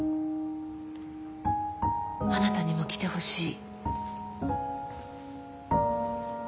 あなたにも来てほしい。